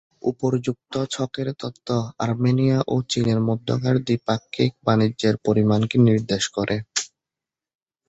উপর্যুক্ত ছকের তথ্য আর্মেনিয়া ও চীনের মধ্যকার দ্বিপাক্ষিক বাণিজ্যের পরিমাণকে নির্দেশ করে।